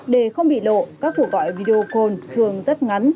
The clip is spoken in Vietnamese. để không bị lộ các cuộc gọi video call thường rất ngắn